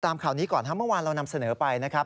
ข่าวนี้ก่อนครับเมื่อวานเรานำเสนอไปนะครับ